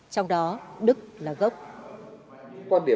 trong đó đức là gốc